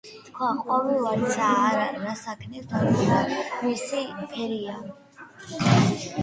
თქვა: ყვავი ვარდსა რას აქნევს ანუ რა მისი ფერია